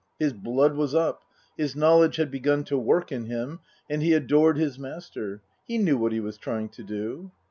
His blood was up. His knowledge had begun to work in him and he adored his master. He knew what he was trying to do.